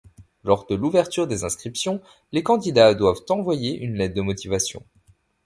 Lors de l'ouverture des inscriptions, les candidats doivent envoyer une lettre de motivation.